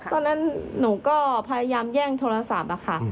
ตอนนั้นหนูก็พยายามแย่งโทรศัพท์ค่ะ